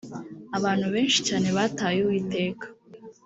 abantu benshi cyane bataye uwiteka